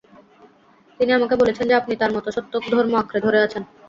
তিনি আমাকে বলেছেন যে, আপনি তার মত সত্য ধর্ম আঁকড়ে ধরে আছেন।